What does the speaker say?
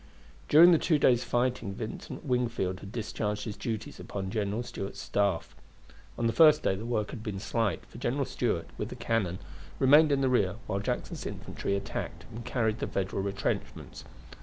During the two days' fighting Vincent Wingfield had discharged his duties upon General Stuart's staff. On the first day the work had been slight, for General Stuart, with the cannon, remained in the rear, while Jackson's infantry attacked and carried the Federal retrenchments.